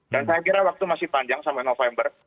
dan saya kira waktu masih panjang sampai november